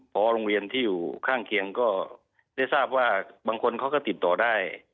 พอโรงเรียนที่อยู่ข้างเคียงก็ได้ทราบว่าบางคนเขาก็ติดต่อได้